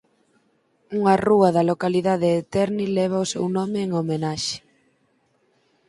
Unha rúa da localidade de Terni leva o seu nome en homenaxe.